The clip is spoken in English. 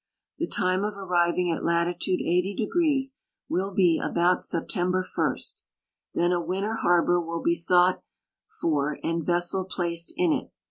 The time of arriving at latitude 80° will be about September 1 ; then a winter har bor will be sought for and vessel i)laced in it.